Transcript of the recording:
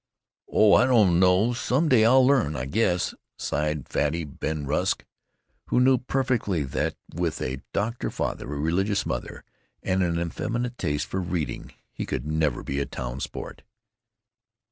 "Oh, I don't know. Some day I'll learn, I guess," sighed Fatty Ben Rusk, who knew perfectly that with a doctor father, a religious mother, and an effeminate taste for reading he could never be a town sport.